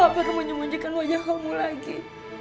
kamu gak perlu menyembunyikan wajah kamu lagi